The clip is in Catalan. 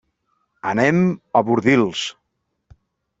Anem a Bordils.